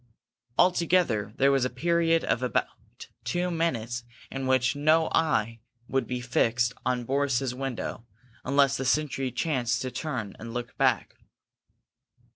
Altogether, there was a period of almost two minutes in which no eye would be fixed on Boris's window, unless the sentry chanced to turn and look back.